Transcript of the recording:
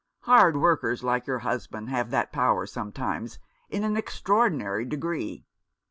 " Hard workers like your husband have that power sometimes in an extraordinary degree.